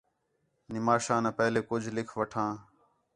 نِماشان آ پہلے کُجھ لِکھ وٹھاں